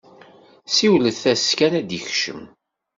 Siwlet-as kan ad d-ikcem!